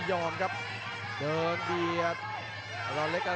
โหยกแรกถึงแม้ว่าจะได้มาสองนับครับ